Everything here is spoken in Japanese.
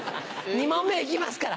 ２問目行きますから。